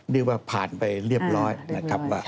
เรียกว่าผ่านไปเรียบร้อยนะครับว่า